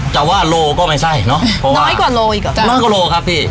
จะว่าโลก็ไม่ใช่เนอะเพราะว่าน้อยกว่าโลอีกกว่าน้อยกว่าโลครับพี่